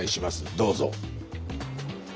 どうぞ。